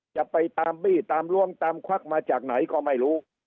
จะไปตามบี้ตามล้วงตามควักมาจากไหนก็ไม่รู้